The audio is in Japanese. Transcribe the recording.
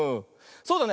そうだね。